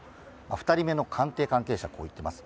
２人目の官邸関係者はこう言っています。